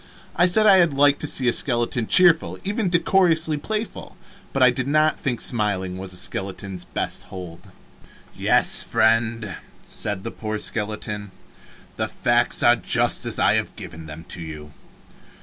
I said I liked to see a skeleton cheerful, even decorously playful, but I did not think smiling was a skeleton's best hold. "Yes, friend," said the poor skeleton, "the facts are just as I have given them to you.